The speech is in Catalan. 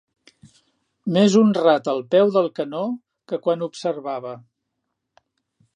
Més honrat al peu del canó que quan observava